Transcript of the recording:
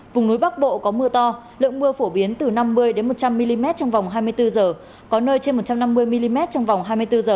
vùng núi bắc bộ có mưa to lượng mưa phổ biến từ năm mươi một trăm linh mm trong vòng hai mươi bốn h có nơi trên một trăm năm mươi mm trong vòng hai mươi bốn h